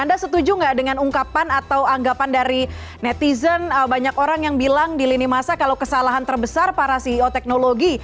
anda setuju nggak dengan ungkapan atau anggapan dari netizen banyak orang yang bilang di lini masa kalau kesalahan terbesar para ceo teknologi